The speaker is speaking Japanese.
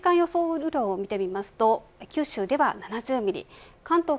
雨量を見てみますと九州では７０ミリ関東